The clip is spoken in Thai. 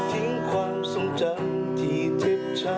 ทิ้งความทรงจำที่เจ็บช้ำ